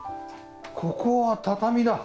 ここは畳だ。